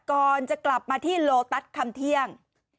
ก่อนจะกลับมาที่โลตัสคำเที่ยง